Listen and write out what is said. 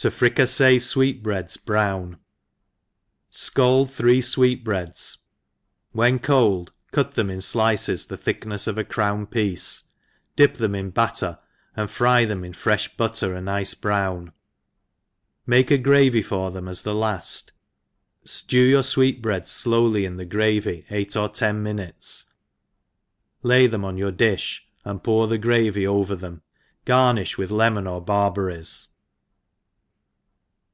To/rica^e Sweet Breads brown. SCALD three fweet breads, when cold cut ^' them in ilices the thickncfs of a crown piece, dip them in batter, and fry them in frefh butter a nice brown, make a gravy for them as the^Haft, ftew your fweet breads flowly in the gravy eight or tcij minutes, lay them on your difh, and pour the gravy over them : garniHi with lemon or barberries.